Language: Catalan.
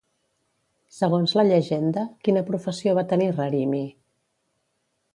Segons la llegenda, quina professió va tenir Rarimi?